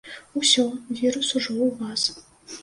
Усё, вірус ужо ў вас.